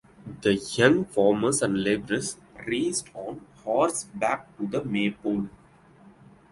The young farmers and laborers raced on horseback to the maypole.